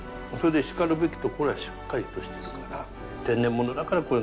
それでしかるべきところはしっかりとしてるから。